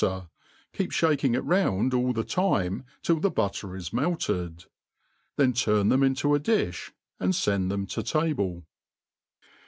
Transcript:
ter, keep (baking it rouhd all the time tUI the butter is melted^ then turn them into a di£h, and fend them to table.